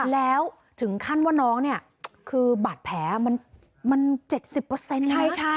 แล้วถึงขั้นว่าน้องเนี่ยคือบาดแผลมัน๗๐ใช่ไหม